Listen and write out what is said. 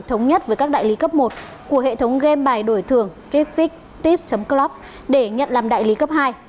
thống nhất với các đại lý cấp một của hệ thống game bài đổi thường griffith tips club để nhận làm đại lý cấp hai